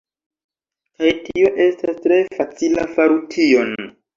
Kaj tio estas tre facila faru tion